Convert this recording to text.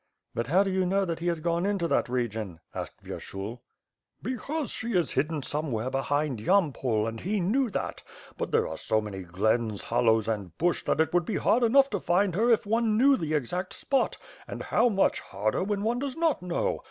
"But how do you know that he has gone into that region?" asked Vyershul. "Because she is hidden somewhere behind Yampol and he knew that; but there are so many glens, hollows, and bush that it would be hard enough to &id her if one knew the exact spot; and how much harder when one does not know.